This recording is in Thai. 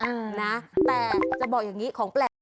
แต่จะบอกอย่างนี้ของแปลกที่บางคนก็ไม่รู้